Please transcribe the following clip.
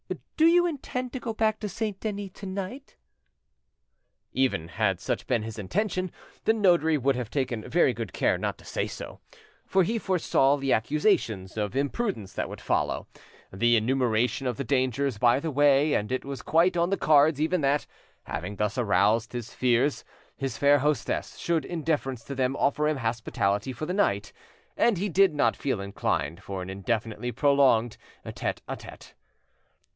"Do you intend to go back to Saint Denis to night?" Even had such been his intention, the notary would have taken very good care not to say so; for he foresaw the accusations of imprudence that would follow, the enumeration of the dangers by the way; and it was quite on the cards even that, having thus aroused his fears, his fair hostess should in deference to them offer him hospitality for the night, and he did not feel inclined for an indefinitely prolonged tete a tete.